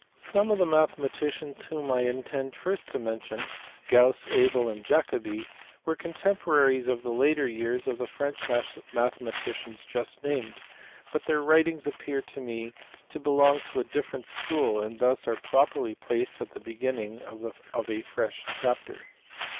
Some of the mathematicians whom I intend first to mention, Gauss, Abel, and Jacobi, were contemporaries of the later years of the French mathematicians just named, but their writings appear to me to belong to a different school, and thus are properly placed at the beginning of a fresh chapter.